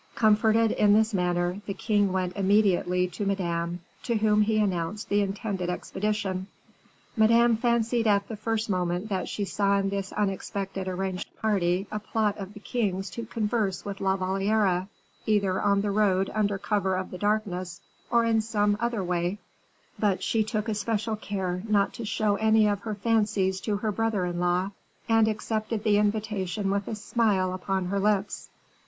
Comforted in this manner, the king went immediately to Madame, to whom he announced the intended expedition. Madame fancied at the first moment that she saw in this unexpectedly arranged party a plot of the king's to converse with La Valliere, either on the road under cover of the darkness, or in some other way, but she took especial care not to show any of her fancies to her brother in law, and accepted the invitation with a smile upon her lips.